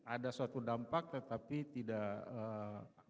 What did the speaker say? ada suatu dampak tetapi tidak amat sangat